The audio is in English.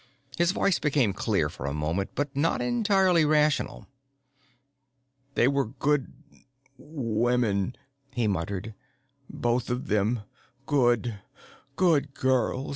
His voice became clear for a moment, but not entirely rational. "They were good women," he muttered. "Both of them. Good, good girls.